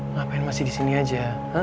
ngapain masih disini aja